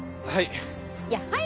はい。